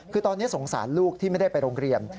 คือตอนนี้สงสารลูกที่ไม่ได้ไปโรงเรียน